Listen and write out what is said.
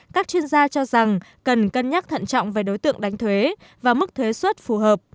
các chuyên gia cho rằng cần cân nhắc thận trọng về đối tượng đánh thuế và mức thuế xuất phù hợp